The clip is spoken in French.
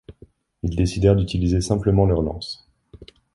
Ils décidèrent d'utiliser simplement leurs lances.